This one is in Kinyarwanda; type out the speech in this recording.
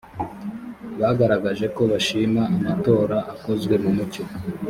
bagaragaje ko bashima amatora akozwe mu mucyo